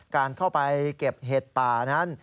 การเข้าไปเก็บเห็ดป่านั้น